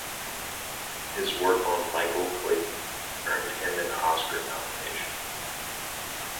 His work on "Michael Clayton" earned him an Oscar nomination.